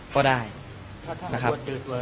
ก็ได้นะครับ